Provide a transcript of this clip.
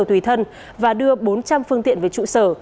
tùy thân và đưa bốn trăm linh phương tiện về trụ sở